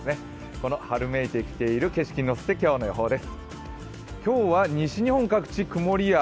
この春めいてきている景色に乗せて今日の予報です。